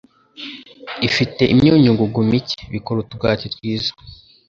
ifite imyunyu ngugu mike, bikora utugati twiza